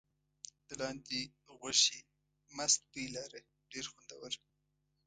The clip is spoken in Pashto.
د لاندي غوښې مست بوی لاره ډېر خوندور.